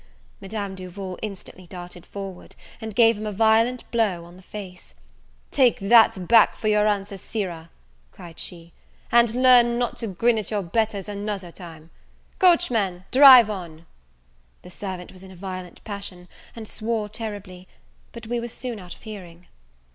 he! " Madame Duval instantly darted forward, and gave him a violent blow on the face; "Take that back for your answer, sirrah," cried she, "and learn not to grin at your betters another time. Coachman, drive on!" The servant was in a violent passion, and swore terribly; but we were soon out of hearing.